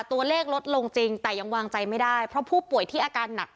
ลดลงจริงแต่ยังวางใจไม่ได้เพราะผู้ป่วยที่อาการหนัก